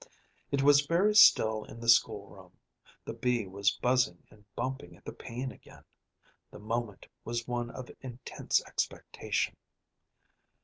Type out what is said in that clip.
It was very still in the school room; the bee was buzzing and bumping at the pane again; the moment was one of intense expectation.